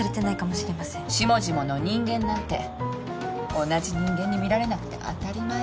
下々の人間なんて同じ人間に見られなくて当たり前。